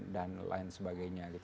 dan lain sebagainya gitu